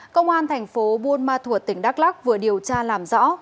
công an tp buôn ma thuột tỉnh đắk lắc vừa điều tra làm rõ